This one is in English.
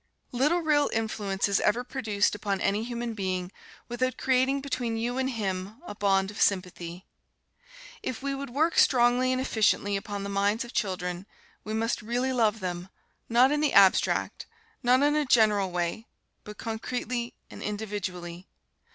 Little real influence is ever produced upon any human being, without creating between you and him a bond of sympathy. If we would work strongly and efficiently upon the minds of children, we must really love them, not in the abstract, not in a general way, but concretely and individually.